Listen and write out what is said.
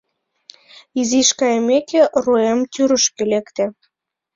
Изиш кайымеке, руэм тӱрышкӧ лекте.